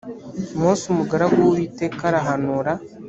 mose umugaragu w uwiteka arahanura.